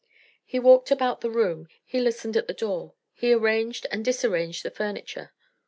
He walked about the room, he listened at the door, he arranged and disarranged the furniture.